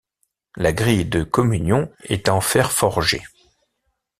La grille de communion est en fer forgé.